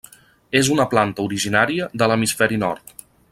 És una planta originària de l'hemisferi nord.